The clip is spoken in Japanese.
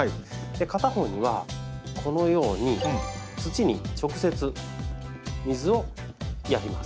片方にはこのように土に直接水をやります。